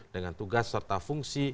dengan tugas serta fungsi